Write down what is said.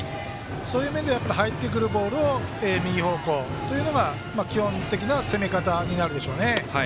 そういう面で、入ってくるボール右方向というのが基本的な攻め方になるでしょうね。